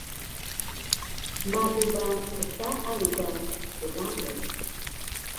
Malu ba qtaan ka plale